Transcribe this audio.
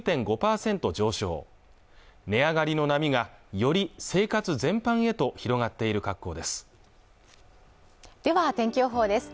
上昇値上がりの波がより生活全般へと広がっている格好ですでは天気予報です